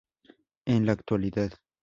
En la actualidad.